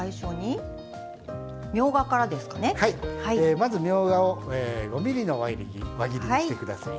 まずみょうがを５ｍｍの輪切りにしてください。